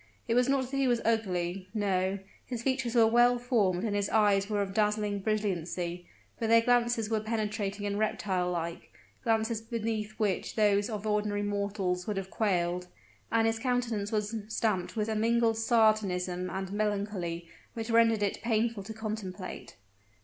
It was not that he was ugly; no his features were well formed, and his eyes were of dazzling brilliancy. But their glances were penetrating and reptile like, glances beneath which those of ordinary mortals would have quailed; and his countenance was stamped with a mingled sardonism and melancholy which rendered it painful to contemplate.